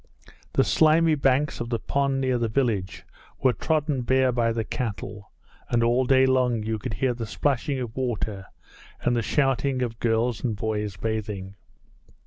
The slimy banks of the pond near the village were trodden bare by the cattle and all day long you could hear the splashing of water and the shouting of girls and boys bathing.